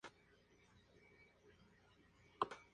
Fueron las olas que alcanzaron mayor altura registrada del tsunami.